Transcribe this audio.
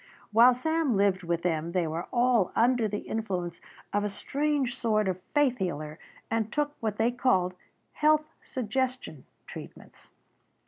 While Sam lived with them they were all under the influence of a strange sort of faith healer and took what they called "Health Suggestion" treatments.